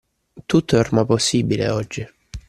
Tutto è ormai possibile, oggi.